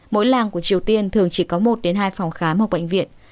mỗi làng của triều tiên thường chỉ có một đến hai phòng khám ở bệnh viện